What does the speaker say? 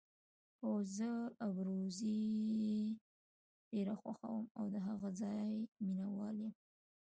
هو، زه ابروزي ډېره خوښوم او د هغه ځای مینه وال یم.